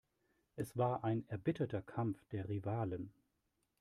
Es war ein erbitterter Kampf der Rivalen.